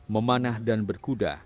memanah dan berkuda